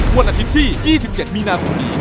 วันอาทิตย์ที่๒๗มีนาคมนี้